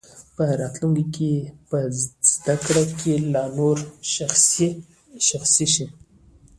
په راتلونکي کې به زده کړه لا نوره شخصي شي.